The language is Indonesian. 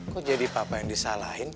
kok jadi papa yang disalahin